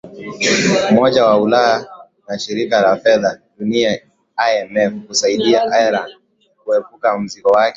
umoja wa ulaya na shirika la fedha dunia imf kusaidia ireland kuepuka mzigo wake